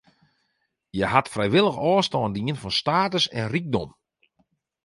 Hja hat frijwillich ôfstân dien fan status en rykdom.